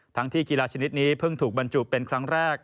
ที่กีฬาชนิดนี้เพิ่งถูกบรรจุเป็นครั้งแรก